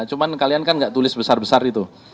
cuma kalian kan nggak tulis besar besar itu